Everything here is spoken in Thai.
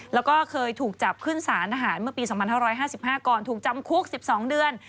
แล้วก็เคยถูกจับขึ้นสารทหารเมื่อปี๒๕๕๕ก่อนถูกจำคุก๑๒เดือน